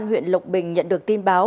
huyện lộc bình nhận được tin báo